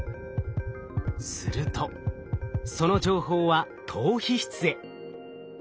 するとその情報は島皮質へ。